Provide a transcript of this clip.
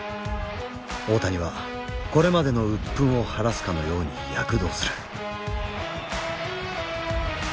大谷はこれまでの鬱憤を晴らすかのように躍動する。